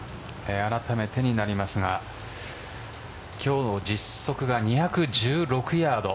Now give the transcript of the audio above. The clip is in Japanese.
あらためてになりますが今日の実測が２１６ヤード。